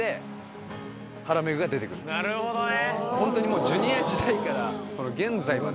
なるほどね